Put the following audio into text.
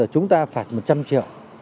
chúng ta phạt một trăm linh triệu